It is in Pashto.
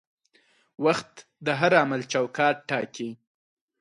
وخت د هر عمل چوکاټ ټاکي.